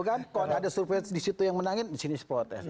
kalau ada survei disitu yang menangin disini seprotes